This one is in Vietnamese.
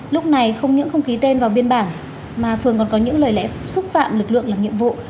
lúc này không những không ký tên vào biên bản mà phường còn có những lời lẽ xúc phạm lực lượng làm nhiệm vụ